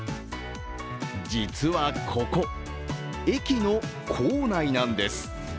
実はここ、駅の構内なんです。